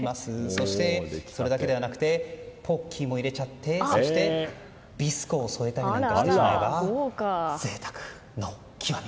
そして、それだけではなくてポッキーも入れちゃってそして、ビスコも添えたりなんてしてしまえば贅沢の極み。